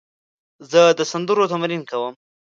زه د سندرو تمرین کوم.